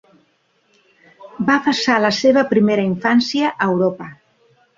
Va passar la seva primera infància a Europa.